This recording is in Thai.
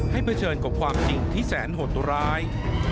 เผชิญกับความจริงที่แสนหดร้าย